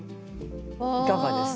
いかがですか？